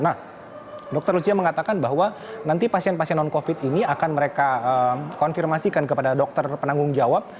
nah dr lucia mengatakan bahwa nanti pasien pasien non covid ini akan mereka konfirmasikan kepada dokter penanggung jawab